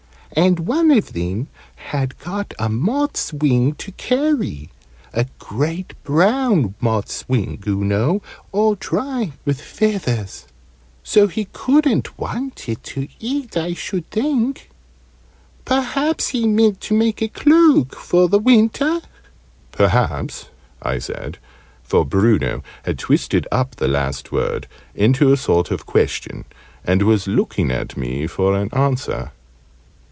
And one of them had got a moth's wing to carry a great brown moth's wing, oo know, all dry, with feathers. So he couldn't want it to eat, I should think perhaps he meant to make a cloak for the winter?" "Perhaps," I said, for Bruno had twisted up the last word into a sort of question, and was looking at me for an answer.